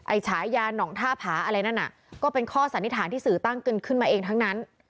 ฉายาหนองท่าผาอะไรนั่นน่ะก็เป็นข้อสันนิษฐานที่สื่อตั้งกันขึ้นมาเองทั้งนั้น